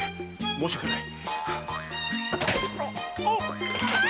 申し訳ない！